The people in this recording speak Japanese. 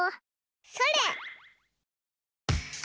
それ！